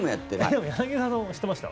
でも、柳澤さんも知ってました？